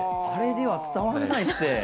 あれでは伝わんないって。